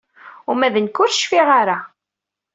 Uma d nekki ur cfiɣ ara.